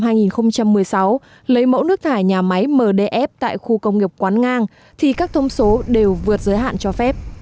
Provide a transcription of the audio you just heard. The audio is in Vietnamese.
lần thứ sáu lấy mẫu nước thải nhà máy mdf tại khu công nghiệp quán ngang thì các thông số đều vượt giới hạn cho phép